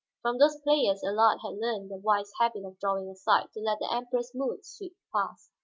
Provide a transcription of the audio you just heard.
From those players Allard had learned the wise habit of drawing aside to let the Emperor's moods sweep past.